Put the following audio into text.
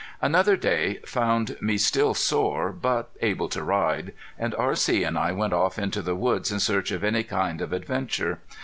Another day found me still sore, but able to ride, and R.C. and I went off into the woods in search of any kind of adventure.